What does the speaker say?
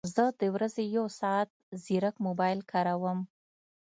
زه د ورځې یو ساعت ځیرک موبایل کاروم